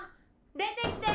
出てきて！